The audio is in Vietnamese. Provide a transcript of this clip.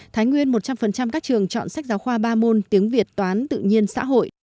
thái nguyên một trăm linh các trường chọn sách giáo khoa ba môn tiếng việt toán tự nhiên xã hội